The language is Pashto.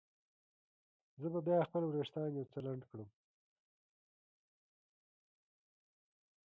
زه به بیا خپل وریښتان یو څه لنډ کړم.